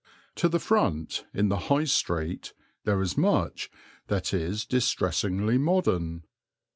To the front, in the High Street, there is much that is distressingly modern.